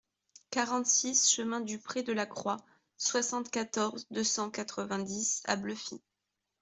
quarante-six chemin du Pre de la Croix, soixante-quatorze, deux cent quatre-vingt-dix à Bluffy